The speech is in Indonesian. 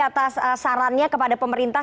atas sarannya kepada pemerintah